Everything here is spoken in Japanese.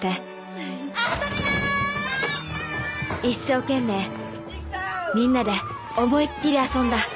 ［一生懸命みんなで思いっ切り遊んだ］